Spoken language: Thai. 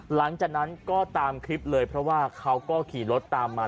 หลังจากนั้นก็ตามคลิปเลยเพราะว่าเขาก็ขี่รถตามมา